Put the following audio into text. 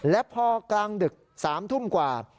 และพอกลางดึก๓ทุ่มกว่า